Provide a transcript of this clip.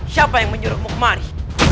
siapa yang menyuruhmu kemari